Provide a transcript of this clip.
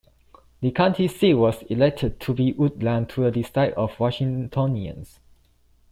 The county seat was elected to be Woodland to the dislike of Washingtonians.